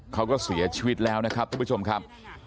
เขาก็เสียชีวิตแล้วนะครับทุกผู้ชมครับ